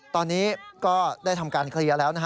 ตอนนี้ก็ได้ทำการเคลียร์แล้วนะฮะ